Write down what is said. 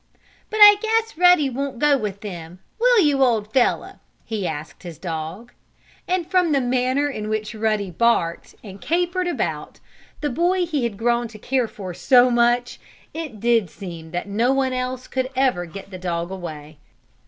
"But I guess Ruddy won't go with them; will you, old fellow?" he asked his dog. And from the manner in which Ruddy barked and capered about the boy he had grown to care for so much, it did seem that no one else could ever get the dog away.